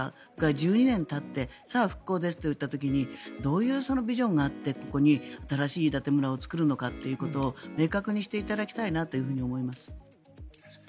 １２年たってさあ復興ですといった時にどういうビジョンがあってここに新しい飯舘村を作るのかというのと明確にしていただきたいなと思います。